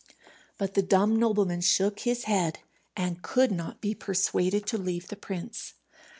But the dumb nobleman shook his head, and could not be persuaded to leave the prince.